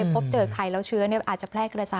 ไม่ได้เป็นปุ๊บเจอไขรแล้วเชื้ออาจจะแพร่กรจาย